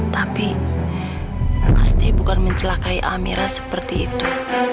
tapi pasti bukan mencelakai amira seperti itu